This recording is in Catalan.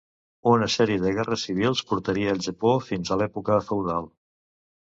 Una sèrie de guerres civils portaria al Japó fins a l'època feudal.